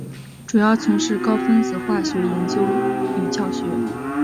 主要从事高分子化学研究与教学。